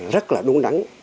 rất là đúng đắn